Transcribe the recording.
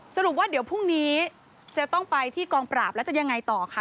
สรุปว่าเดี๋ยวพรุ่งนี้จะต้องไปที่กองปราบแล้วจะยังไงต่อคะ